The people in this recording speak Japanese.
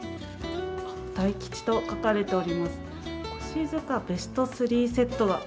大吉と書かれております。